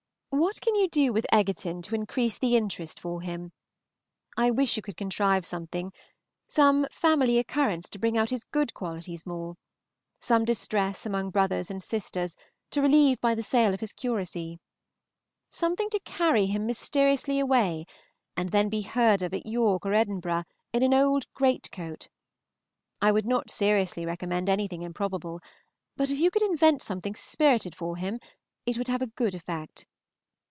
What can you do with Egerton to increase the interest for him? I wish you could contrive something, some family occurrence to bring out his good qualities more. Some distress among brothers and sisters to relieve by the sale of his curacy! Something to carry him mysteriously away, and then be heard of at York or Edinburgh in an old greatcoat. I would not seriously recommend anything improbable, but if you could invent something spirited for him, it would have a good effect.